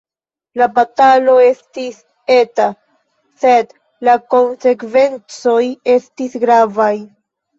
La batalo estis eta sed la konsekvencoj estis gravaj.